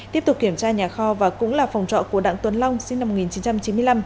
tiếp tục kiểm tra nhà kho và cũng là phòng trọ của đặng tuấn long sinh năm một nghìn chín trăm chín mươi năm